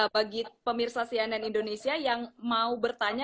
bagi pemirsa cnn indonesia yang mau bertanya